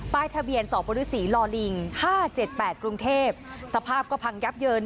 ทะเบียนสปริศลลิง๕๗๘กรุงเทพสภาพก็พังยับเยิน